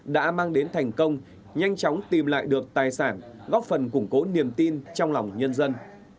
đã mang đến thành công nhanh chóng tìm lại được tài sản góp phần củng cố niềm tin trong lòng nhân dân